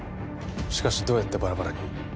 しかしどうやってバラバラに？